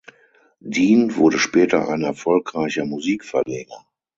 Dean wurde später ein erfolgreicher Musikverleger.